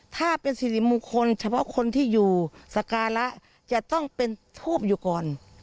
ถ้าเป็นสิริมงคลเฉพาะคนที่อยู่สการะจะต้องเป็นทูบอยู่ก่อน